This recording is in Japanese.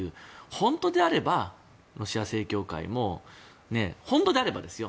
本当であればロシア正教会も本当であればですよ。